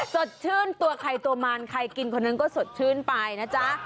สดชื่นตัวใครตัวมันใครกินคนนั้นก็สดชื่นไปนะจ๊ะ